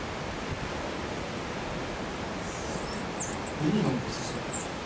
紅なんかさすのか？